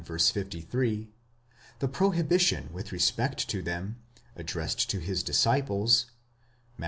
53); the prohibition with respect to them, addressed to his. disciples (Matt.